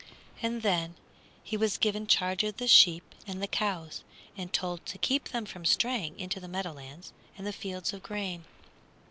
And then he was given charge of the sheep and the cows, and told to keep them from straying into the meadowlands and the fields of grain.